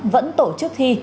vẫn tổ chức thi